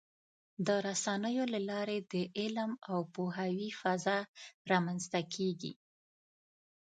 د رسنیو له لارې د علم او پوهاوي فضا رامنځته کېږي.